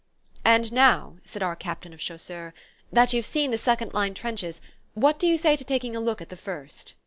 "And now," said our Captain of Chasseurs, "that you've seen the second line trenches, what do you say to taking a look at the first?"